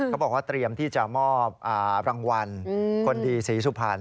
เขาบอกว่าเตรียมที่จะมอบรางวัลคนดีศรีสุพรรณ